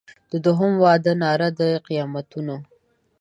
د دوهم واده ناره د قیامتونو